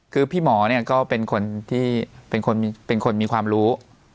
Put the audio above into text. คือพี่หมอเป็นคนมีความรู้